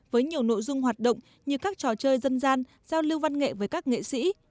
với nhiều nội dung hoạt động như các trò chơi dân gian giao lưu văn nghệ với các nghệ sĩ